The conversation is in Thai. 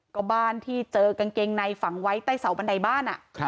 ก็บ้านที่เจอกางเกงในฝังไว้ใต้เสาบันไดบ้าน